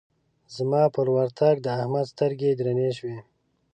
زما پر ورتګ د احمد سترګې درنې شوې.